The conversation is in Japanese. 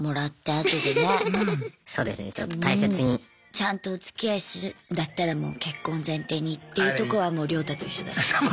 ちゃんとおつきあいするんだったらもう結婚前提にっていうとこはもう亮太と一緒だ。